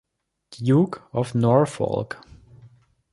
Duke of Norfolk.